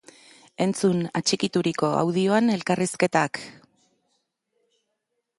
Entzun atxikituriko audioan elkarrizketak!